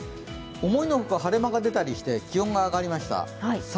思いのほか晴れ間が出たりして、気温が上がりました。